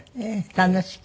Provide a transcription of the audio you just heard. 楽しく？